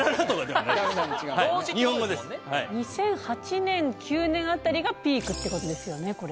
２００８年２００９年辺りがピークっていう事ですよねこれ。